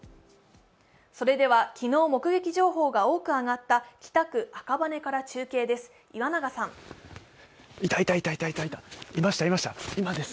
昨日、目撃情報が多く上がった、北区赤羽から中継です。